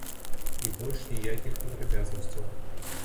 І больш ніякіх падрабязнасцяў.